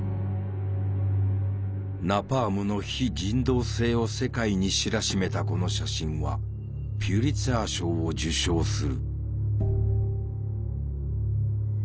ナパームの非人道性を世界に知らしめたこの写真はピュリッツァー賞を受賞する。